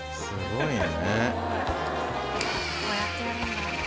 すごい。